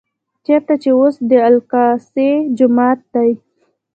چېرته چې اوس د الاقصی جومات دی.